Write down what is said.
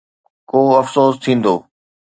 ڪو افسوس ٿيندو؟